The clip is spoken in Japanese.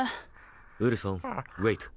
ウルソンウェイト。